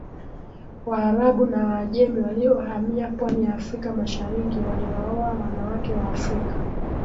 Waarabu na Waajemi waliohamia pwani ya Afrika ya Mashariki waliwaoa wanawake wa Afrika